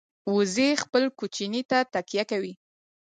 وزې خپل کوچني ته تکیه کوي